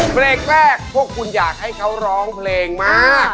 เบรกแรกพวกคุณอยากให้เขาร้องเพลงมาก